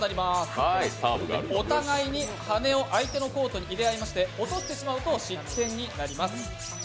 お互いに羽根を相手のコートに入れ合いまして落としてしまうと失点になります。